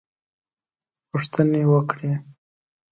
پوښتنې وکړې.